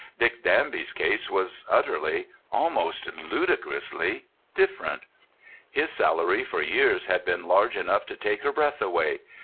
Dick Danby's case was utterly—almost ludicrously—different. His salary for years had been large enough to take her breath away.